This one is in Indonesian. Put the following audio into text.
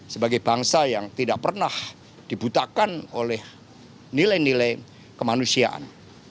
sebagai bangsa yang tidak pernah dibutakan oleh nilai nilai kemanusiaan